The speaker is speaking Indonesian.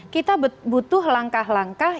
kita butuh langkah langkah